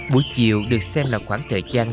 buổi chiều được xem là khoảng thời gian